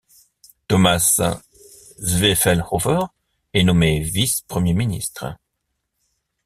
Thomas Zwiefelhofer est nommé vice-premier ministre.